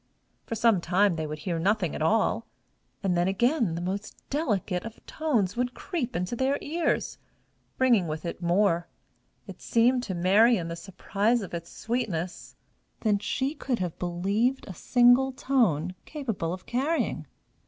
For some time they would hear nothing at all, and then again the most delicate of tones would creep into their ears, bringing with it more, it seemed to Mary in the surprise of its sweetness, than she could have believed single tone capable of carrying.